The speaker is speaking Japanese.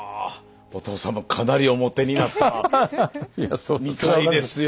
お父さんもかなりおモテになったみたいですよ。